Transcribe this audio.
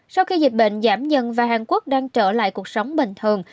sau khi dịch bệnh giảm dần và hàn quốc đang trở lại cuộc sống bình thường